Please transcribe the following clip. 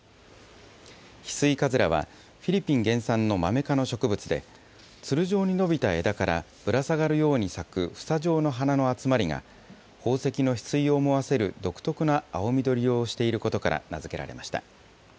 ヒスイカズラは、フィリピン原産のマメ科の植物で、つる状に伸びた枝から、ぶら下がるように咲く房状の花の集まりが、宝石のヒスイを思わせる独特な青緑色をしていることから名付けられました。